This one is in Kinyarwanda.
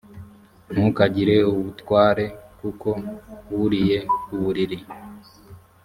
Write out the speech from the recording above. ntukagire ubutware kuko wuriye uburiri